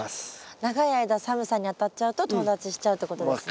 長い間寒さにあたっちゃうととう立ちしちゃうってことですね。